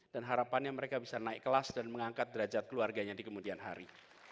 dan harapannya mereka bisa naik kelas dan mengangkat derajat keluarganya di kemudian hari